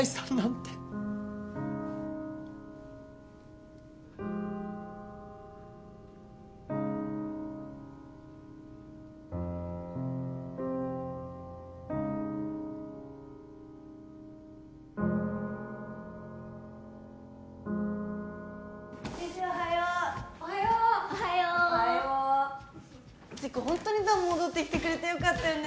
ていうかホントに弾戻ってきてくれてよかったよね